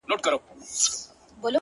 چا ویل دا چي” ژوندون آسان دی”